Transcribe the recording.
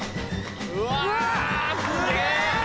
うわすげぇ。